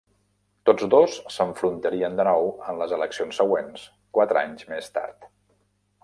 Tots dos s'enfrontarien de nou en les eleccions següents, quatre anys més tard.